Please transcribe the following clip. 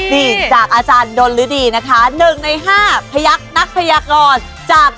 ดีจากอาจารย์ดนฤดีนะคะหนึ่งในห้าพระยักษณ์นักพระยากรจาก